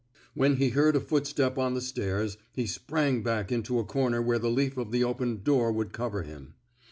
When he heard a footstep on the stairs, he sprang back into a comer where the leaf of the opened door would cover him.